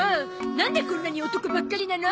なんでこんなに男ばっかりなの？